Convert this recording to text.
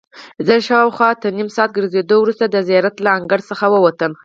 زه شاوخوا تر نیم ساعت ګرځېدو وروسته د زیارت له انګړ څخه ووتم.